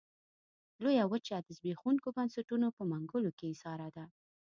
لویه وچه د زبېښونکو بنسټونو په منګلو کې ایساره ده.